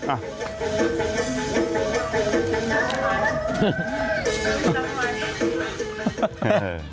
น้ำมะพร้อม